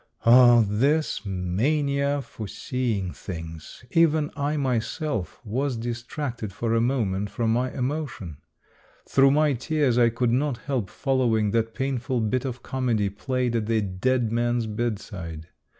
Oh, this mania for seeing things ! Even I myself was distracted for a moment from my emotion. Through my tears I could not help following that painful bit of comedy played at the dead man's bedside.